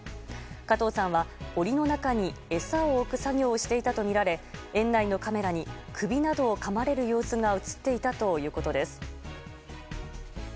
加藤さんは檻の中に餌を置く作業をしていたとみられ園内のカメラに首などをかまれる様子が映っていたということです。